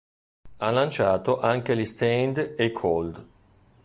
Ha lanciato anche gli Staind e i Cold.